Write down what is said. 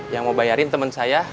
yang mau bayarin temen saya